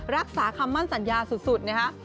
รักษาคำมั่นสัญญาสุดนะคะ